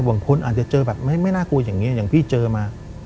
บางคนอาจจะเจอแบบไม่น่ากลัวอย่างนี้อย่างพี่เจอมา